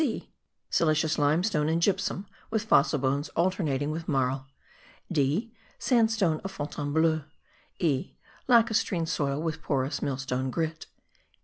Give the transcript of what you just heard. (c) Silicious limestone and gypsum with fossil bones alternating with marl. (d) Sandstone of Fontainebleau. (e) Lacustrine soil with porous millstone grit.